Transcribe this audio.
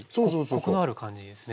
コクのある感じですね。